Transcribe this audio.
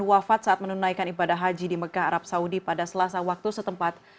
wafat saat menunaikan ibadah haji di mekah arab saudi pada selasa waktu setempat